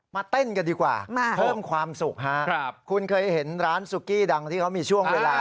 เต้นกันดีกว่าเพิ่มความสุขฮะครับคุณเคยเห็นร้านซุกี้ดังที่เขามีช่วงเวลา